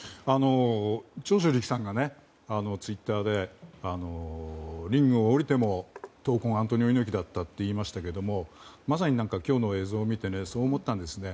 長州力さんがツイッターでリングを降りても闘魂アントニオ猪木さんだったと言っていましたけどまさに今日の映像を見てそう思ったんですね。